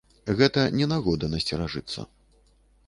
Гэта не нагода насцеражыцца.